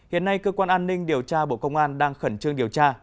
hiện nay cơ quan an ninh điều tra bộ công an đang khẩn trương điều tra